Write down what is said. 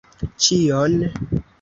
Ĉion?